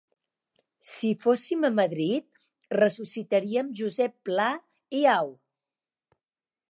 Si fóssim a Madrid ressuscitarien Josep Pla, i au!